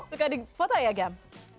suka di foto ya gam